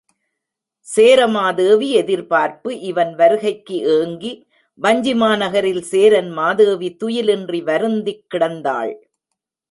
சேரமா தேவி எதிர்பார்ப்பு இவன் வருகைக்கு ஏங்கி வஞ்சி மாநகரில் சேரன் மாதேவி துயில் இன்றி வருந்திக் கிடந்தாள்.